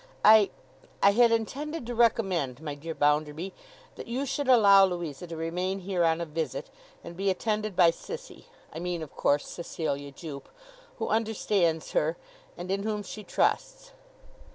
'I—I had intended to recommend, my dear Bounderby, that you should allow Louisa to remain here on a visit, and be attended by Sissy (I mean of course Cecilia Jupe), who understands her, and in whom she trusts.